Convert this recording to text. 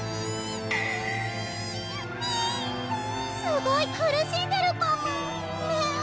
すごい苦しんでるパムメンピー！